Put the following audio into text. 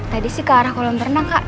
tadi sih ke arah kolam renang kak